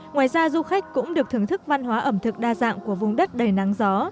ngoài ra du khách cũng được thưởng thức văn hóa ẩm thực đa dạng của vùng đất đầy nắng gió